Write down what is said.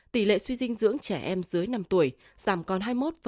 tỷ lệ suy dinh dưỡng trẻ em dưới năm tuổi giảm còn hai mươi một một mươi bảy